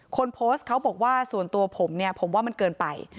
คนโพสต์เขาบอกว่าส่วนตัวผมเนี่ยผมว่ามันเกินไป